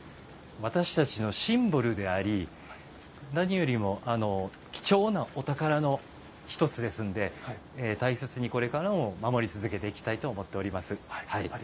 私たちのシンボルであり何よりも貴重なお宝の１つですので大切にこれからも守り続けていきたいと思っております。